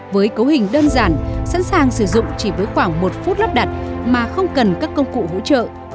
với cấu hình đơn giản sẵn sàng sử dụng chỉ với khoảng một phút lắp đặt mà không cần các công cụ hỗ trợ